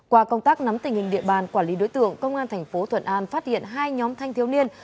qua công tác nắm tình hình địa bàn quản lý đối tượng công an thành phố thuận an phát hiện hai nhóm thanh thiếu niên